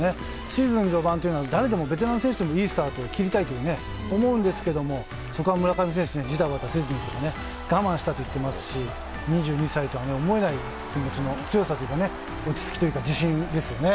シーズン序盤というのは誰でも、ベテラン選手でもいいスタートを切りたいと思うんですが、そこは村上選手じたばたせずに我慢したといっていますし２２歳とは思えない気持ちの強さ落ち着きというか自信ですよね。